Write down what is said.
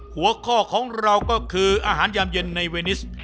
หัวข้อของเราก็คืออาหารยามเย็นในเวนิส